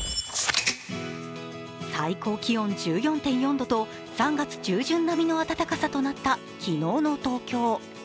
最高気温１４．４度と３月中旬並みの暖かさとなった昨日の東京。